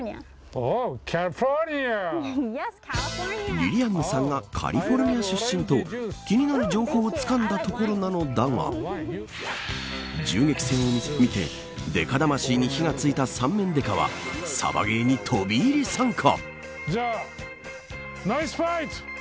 りりあんぬさんがカリフォルニア出身と気になる情報をつかんだところなのだが銃撃戦を見て刑事魂に火がついた三面刑事はサバゲーに飛び入り参加。